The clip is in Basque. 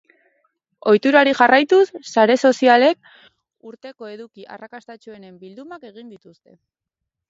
Ohiturari jarraituz, sare sozialek urteko eduki arrakastatsuenen bildumak egin dituzte.